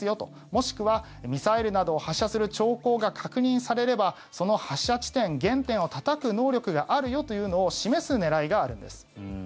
もしくはミサイルなどを発射する兆候が確認されればその発射地点、原点をたたく能力があるよというのを示す狙いがあるんです。